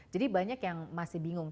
jadi banyak yang masih bingung